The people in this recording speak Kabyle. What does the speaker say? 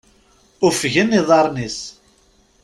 Uffgen iḍarren-is!